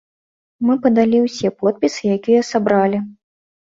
Мы падалі ўсе подпісы, якая сабралі.